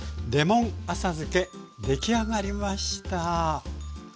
出来上がりました。